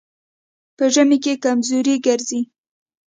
په ژمي کې کمزوری ګرځي.